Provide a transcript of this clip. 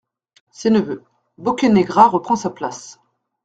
SES NEVEUX.- BOCCANEGRA REPREND SA PLACE.